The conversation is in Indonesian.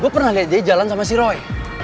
gue pernah lihat dia jalan sama si roy